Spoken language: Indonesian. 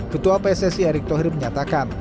ketua pssi erick thohir menyatakan